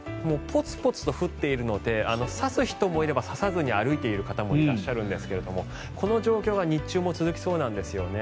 ポツポツと降っているので差す人もいれば差さずに歩いている方もいらっしゃるんですけどもこの状況が日中も続きそうなんですよね